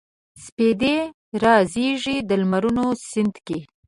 سپیدې رازیږي د لمرونو سیند کې